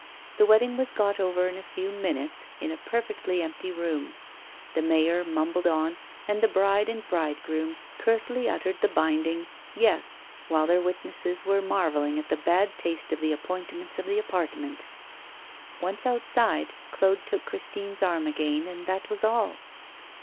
The wedding was got over in a few minutes, in a perfectly empty room. The mayor mumbled on, and the bride and bridegroom curtly uttered the binding 'Yes,' while their witnesses were marvelling at the bad taste of the appointments of the apartment. Once outside, Claude took Christine's arm again, and that was all.